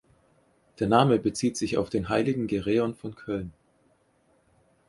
Der Name bezieht sich auf den heiligen Gereon von Köln.